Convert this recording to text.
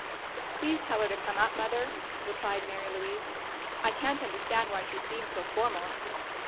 "Please tell her to come up, Mother," replied Mary Louise. "I can't understand why she is being so formal."